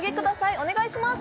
お願いします！